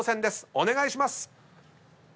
お願いします！